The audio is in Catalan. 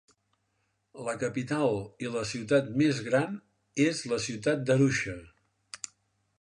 La capital, i la ciutat més gran, és la ciutat d'Arusha.